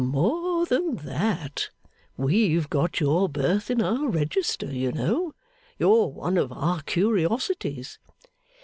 'More than that, we've got your birth in our Register, you know; you're one of our curiosities.